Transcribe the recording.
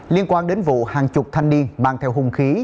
liên quan đến vụ hàng chục thanh niên băng theo hùng khí